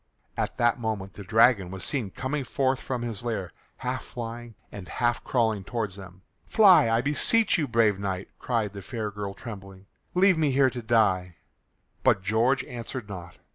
At that moment the dragon was seen coming forth from his lair half flying and half crawling towards them. "Fly, I beseech you, brave knight," cried the fair girl trembling, "Leave me here to die." But George answered not.